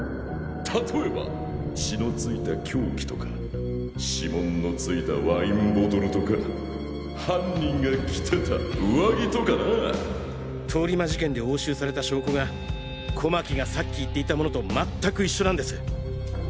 例えば！血のついた凶器とか指紋のついたワインボトルとか犯人が着てた上着とかなぁ通り魔事件で押収された証拠が小牧がさっき言っていたものとまったく一緒なんです！